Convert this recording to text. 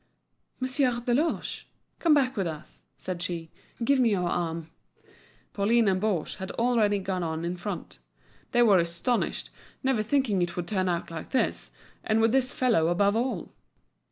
"Monsieur Deloche, come back with us," said she. "Give me your arm." Pauline and Baugé had already gone on in front. They were astonished, never thinking it would turn out like this, and with this fellow above all.